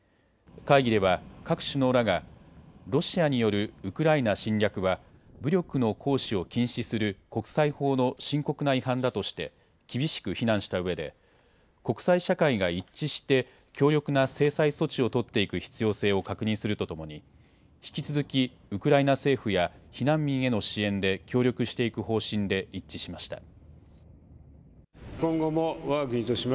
会議では各首脳らがロシアによるウクライナ侵略は武力の行使を禁止する国際法の深刻な違反だとして、厳しく非難したうえで国際社会が一致して強力な制裁措置を取っていく必要性を確認するとともに引き続きウクライナ政府や避難民への支援で協力していく方針で一致しました。